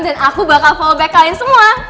dan aku bakal follow back kalian semua